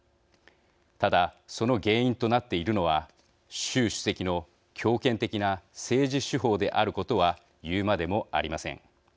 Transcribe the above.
ただその原因となっているのは習主席の強権的な政治手法であることは言うまでもありません。